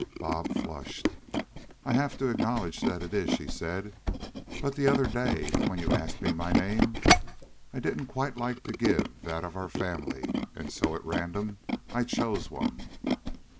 Bobs flushed. "I'll have to acknowledge that it is," she said, "but the other day when you asked me my name, I didn't quite like to give that of our family and so, at random, I chose one."